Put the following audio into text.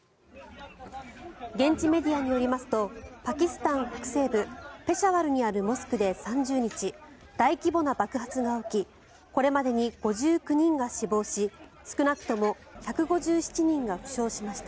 現地メディアによりますとパキスタン北西部ペシャワルにあるモスクで３０日大規模な爆発が起きこれまでに５９人が死亡し少なくとも１５７人が負傷しました。